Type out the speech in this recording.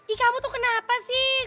i kamu tuh kenapa sih